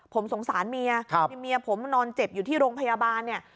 ผมสงสารเมียเมียผมนอนเจ็บอยู่ที่โรงพยาบาลเนี่ย